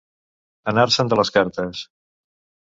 Anar-se'n de les cartes.